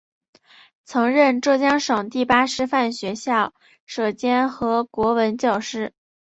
曾任浙江省第八师范学校舍监和国文教师。